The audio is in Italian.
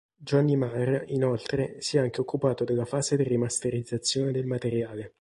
Johnny Marr, inoltre, si è anche occupato della fase di ri-masterizzazione del materiale.